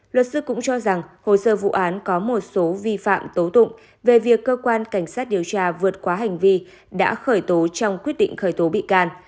luật sư cũng cho rằng hồ sơ vụ án có một số vi phạm tố tụng về việc cơ quan cảnh sát điều tra vượt quá hành vi đã khởi tố trong quyết định khởi tố bị can